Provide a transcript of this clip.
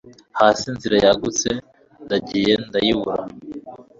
Hasi inzira yagutse ndagiye ndayibura